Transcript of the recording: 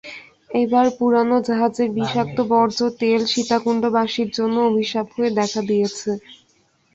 এবার পুরোনো জাহাজের বিষাক্ত বর্জ্য তেল সীতাকুণ্ডবাসীর জন্য অভিশাপ হয়ে দেখা দিয়েছে।